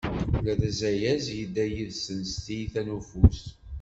Ula d azayez yedda yid-sen s tyita n ufus.